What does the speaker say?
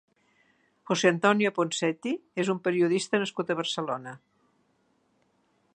José Antonio Ponseti és un periodista nascut a Barcelona.